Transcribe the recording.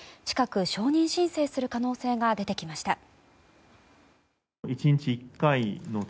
近く承認申請する可能性が出てきました。